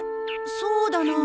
そうだなあ。